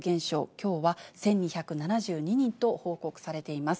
きょうは１２７２人と報告されています。